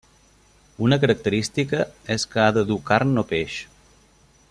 Una característica és que ha de dur carn o peix.